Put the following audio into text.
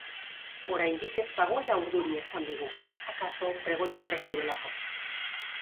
Oraindik ez dagoela urduri esan digu, akaso pregoia prest duelako.